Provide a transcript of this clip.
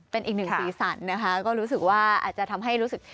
เป็นอีกหนึ่งสีสันนะคะก็รู้สึกว่าอาจจะทำให้รู้สึก